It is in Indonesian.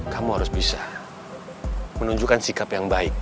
kamu harus bisa menunjukkan sikap yang baik